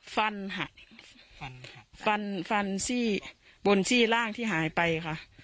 ฟันฮะฟันฟันที่บนที่ร่างที่หายไปค่ะอ่า